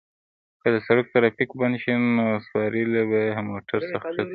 که د سړک ترافیک بند شي نو سوارلۍ به له موټر څخه کښته شي.